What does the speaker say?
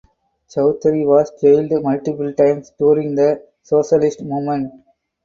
Chaudhary was jailed multiple times during the socialist movement.